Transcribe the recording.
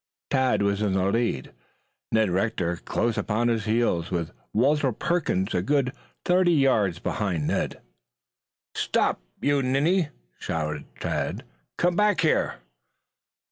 Tad was in the lead, Ned Rector close upon his heels, with Walter Perkins a good thirty yards behind Ned. "Stop, you ninny!" shouted Tad. "Come back here."